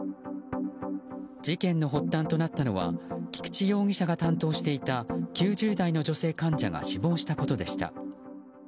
事件の発端となったのは菊池容疑者が担当していた９０代の女性患者が死亡したことでした。